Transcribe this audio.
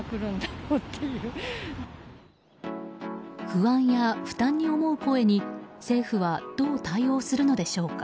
不安や負担に思う声に政府はどう対応するのでしょうか。